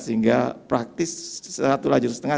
sehingga praktis satu lajur setengah